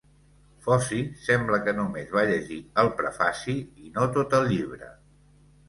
Foci sembla que només va llegir el prefaci i no tot el llibre.